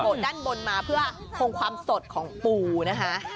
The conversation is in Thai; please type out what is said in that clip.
ด้านบนมาเพื่อคงความสดของปูนะคะ